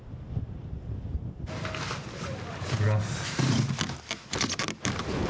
いきます。